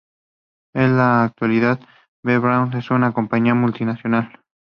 En la actualidad, B. Braun es una compañía multinacional.